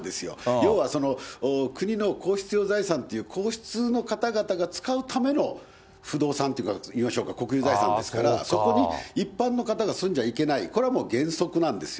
要は国の皇室用財産という皇室の方々が使うための不動産といいましょうか、国有財産ですから、そこに一般の方が住んじゃいけない、これはもう原則なんですよ。